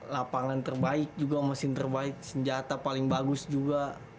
lapangan terbaik juga mesin terbaik senjata paling bagus juga